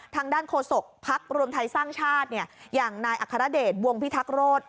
ทางด้านโฆษกภักดิ์รวมไทยสร้างชาติอย่างนายอัครเดชวงพิทักษโรธ